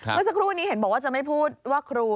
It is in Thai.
เมื่อสักครู่นี้เห็นบอกว่าจะไม่พูดว่าครู